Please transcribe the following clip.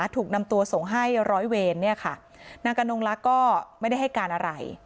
ถูกนำตัวส่งให้ร้อยเวรเนี่ยค่ะนางกระนงลักษณ์ก็ไม่ได้ให้การอะไร